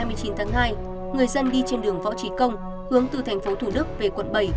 ngày hai mươi chín tháng hai người dân đi trên đường võ trị công hướng từ tp thủ đức về quận bảy